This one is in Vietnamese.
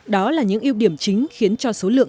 đó là những ưu điểm chính khiến cho số lượng